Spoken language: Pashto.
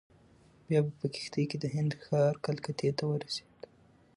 بیا په کښتۍ کې د هند ښار کلکتې ته ورسېد.